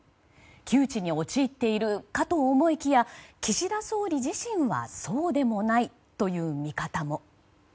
窮地に陥っているかと思いきや岸田総理自身はそうでもないという見方も。